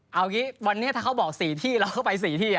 เอางี้วันนี้ถ้าเขาบอก๔ที่เราเข้าไป๔ที่